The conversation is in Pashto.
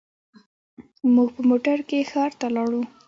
موږ په موټر کې ښار ته لاړو.